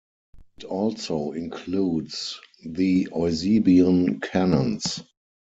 It also includes the Eusebian Canons.